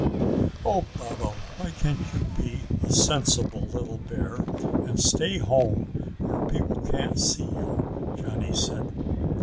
"Oh, Baba, why can't you be a sensible little bear and stay home where people can't see you," Johnny said.